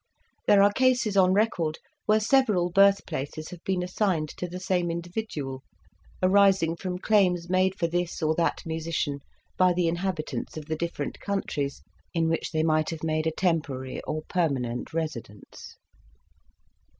There are cases on record where several birthplaces have been assigned to the same individual, arising from claims made for this or that musician by the inhabitants of the different countries in which they might have made a temporary or permanent residence.